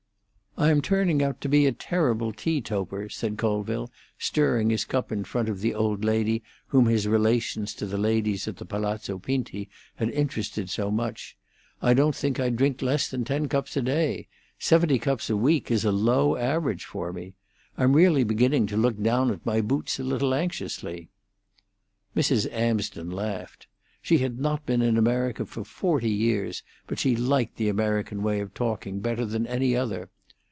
"I am turning out a terrible tea toper," said Colville, stirring his cup in front of the old lady whom his relations to the ladies at Palazzo Pinti had interested so much. "I don't think I drink less than ten cups a day; seventy cups a week is a low average for me. I'm really beginning to look down at my boots a little anxiously." Mrs. Amsden laughed. She had not been in America for forty years, but she liked the American way of talking better than any other.